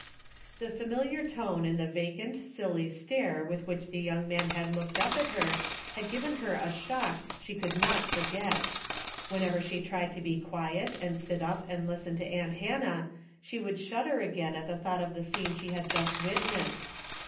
The familiar tone and the vacant, silly stare with which the young man had looked up at her had given her a shock she could not for get. Whenever she tried to be quiet and sit up and listen to aunt Hannah, she would shud der again at the thought of the scene she had just witnessed.